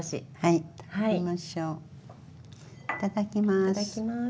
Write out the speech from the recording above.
いただきます。